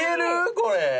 これ。